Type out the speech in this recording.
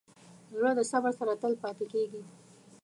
زړه د صبر سره تل پاتې کېږي.